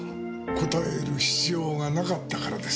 答える必要がなかったからです。